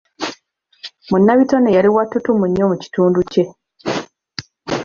Munnabitone yali wa ttutumu nnyo mu kitundu kye.